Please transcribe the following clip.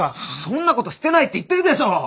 そんな事してないって言ってるでしょう！